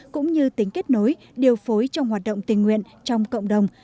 cũng như tính kết nối điều phối trong hoạt động tình nguyện trong cộng đồng